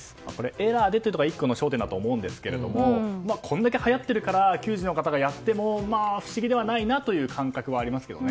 エラーが出たってのが１個の焦点だと思いますがこれだけはやっているから球児の方がやっても不思議ではないなという感覚はありますよね。